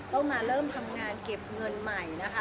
ต้องมาเริ่มทำงานเก็บเงินใหม่นะคะ